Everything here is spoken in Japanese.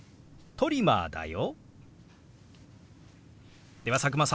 トリマーだよ。